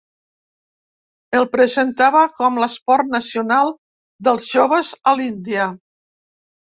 El presentava com l’esport nacional dels joves a l’Índia.